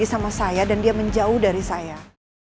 sampai jumpa di video selanjutnya